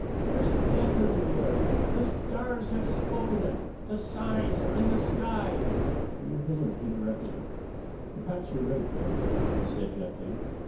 There's death in the air. The stars have spoken it. The signs are in the sky." Mayor Hilliard interrupted her. "Perhaps you're right, Granny," he said gently.